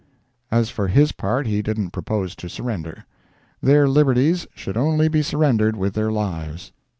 As for his part, he didn't propose to surrender; their liberties should only be surrendered with their lives.